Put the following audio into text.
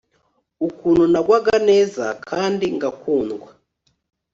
ukuntu nagwaga neza kandi ngakundwa